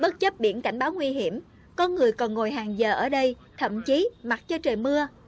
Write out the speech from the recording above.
bất chấp biển cảnh báo nguy hiểm con người còn ngồi hàng giờ ở đây thậm chí mặc cho trời mưa